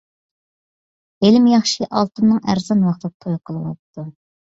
ھېلىمۇ ياخشى ئالتۇننىڭ ئەرزان ۋاقتىدا توي قىلىۋاپتۇ.